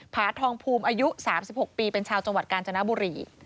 ผาทองภูมิอายุ๓๖ปีเป็นชาวจังหวัดกาญจนบุรี